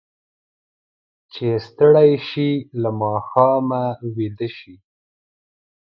چې ستړي شي، له ماښامه ویده شي.